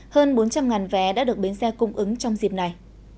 hơn bốn trăm linh vé đã được bến xe cung ứng trong dịp này